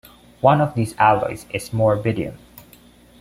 One of these alloys is morbidium.